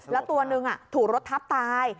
แล้วตัวหนึ่งถูกรถทับตาย